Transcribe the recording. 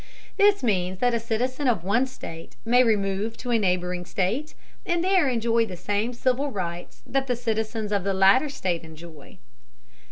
This means that a citizen of one state may remove to a neighboring state, and there enjoy the same civil rights that the citizens of the latter state enjoy.